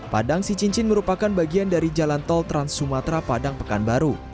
padang sicincin merupakan bagian dari jalan tol trans sumatra padang pekanbaru